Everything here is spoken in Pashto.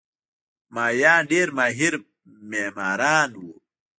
مایان ډېر ماهر معماران وو.